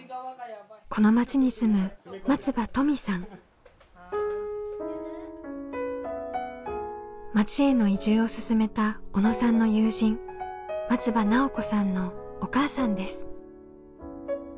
この町に住む町への移住を勧めた小野さんの友人松場奈緒子さんのお母さんです。